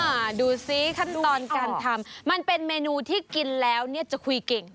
มาดูซิขั้นตอนการทำมันเป็นเมนูที่กินแล้วเนี่ยจะคุยเก่ง